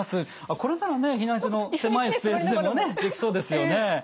これならね避難所の狭いスペースでもねできそうですよね。